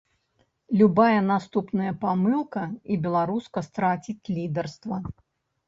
Любая наступная памылка, і беларуска страціць лідарства.